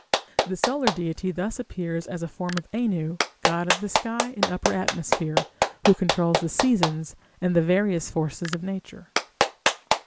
The solar deity thus appears as a form of Anu, god of the sky and upper atmosphere, who controls the seasons and the various forces of nature.